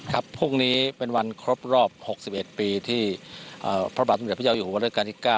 พรุ่งนี้เป็นวันครบรอบ๖๑ปีที่พระบาทสมเด็จพระเจ้าอยู่หัวราชการที่๙